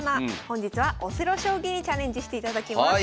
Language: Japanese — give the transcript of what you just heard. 本日はオセロ将棋にチャレンジしていただきます。